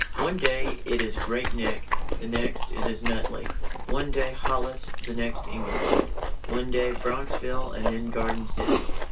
One day it is Great Neck, the next it is Nutley; one day Hollis, the next Englewood; one day Bronxville, and then Garden City.